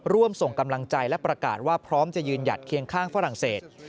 ร่วมส่งกำลังใจและประกาศว่าพร้อมจะยืนหยัดเคียงข้างฝรั่งเศส